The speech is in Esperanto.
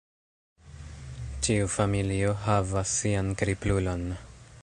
Ĉiu familio havas sian kriplulon.